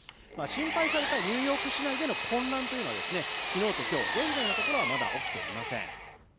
心配されたニューヨーク市内での混乱は昨日と今日、現在のところはまだ起きていません。